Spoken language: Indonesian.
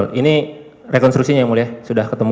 betul ini rekonstrusinya mulia sudah ketemu